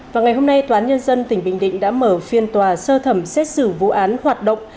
và ngày hôm nay tòa án nhân dân tỉnh bình định đã mở phiên tòa sơ thẩm xét xử vụ án hoạt động